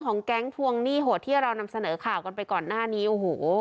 แก๊งทวงหนี้โหดที่เรานำเสนอข่าวกันไปก่อนหน้านี้โอ้โห